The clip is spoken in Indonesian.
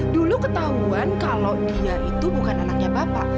dulu ketahuan kalau dia itu bukan anaknya bapak